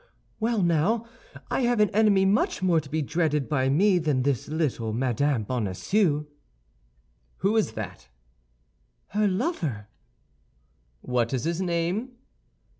"Well, now I have an enemy much more to be dreaded by me than this little Madame Bonacieux." "Who is that?" "Her lover." "What is his name?"